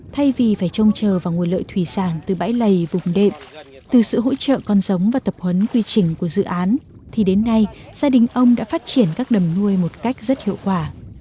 thay vì phải trông chờ vào nguồn lợi thủy sản từ bãi lầy vùng đệm từ sự hỗ trợ con giống và tập huấn quy trình của dự án thì đến nay gia đình ông đã phát triển các đầm nuôi một cách rất hiệu quả